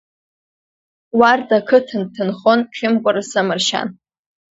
Уарда ақыҭан дҭанхон Хьымкәараса Маршьан.